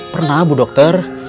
pernah bu dokter